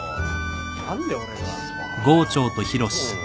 何で俺が。